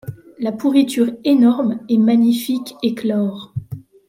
La pourriture énorme et magnifique éclore !